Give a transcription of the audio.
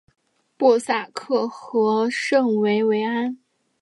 波萨克和圣维维安。